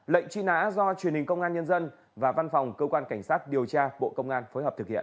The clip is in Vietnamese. lệnh truy nã do truyền hình công an nhân dân và văn phòng cơ quan cảnh sát điều tra bộ công an phối hợp thực hiện